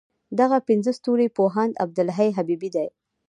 دغه پنځه ستوري پوهاند عبدالحی حبیبي دی.